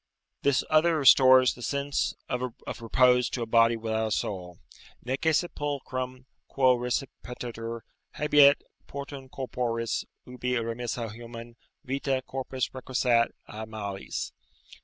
This other restores the sense of repose to a body without a soul: "Neque sepulcrum, quo recipiatur, habeat: portum corporis, ubi, remissa human, vita, corpus requiescat a malis."